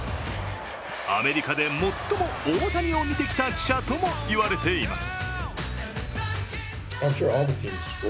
アメリカで最も大谷を見てきた記者とも言われています。